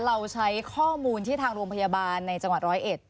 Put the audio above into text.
เราใช้ข้อมูลที่ทางโรงพยาบาลในจังหวัดร้อยเอ็ด